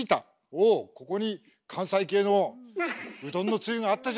おおここに関西系のうどんのつゆがあったじゃないか。